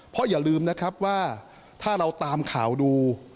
เพราะอย่าลืมนะครับว่าถ้าเราตามข่าวดู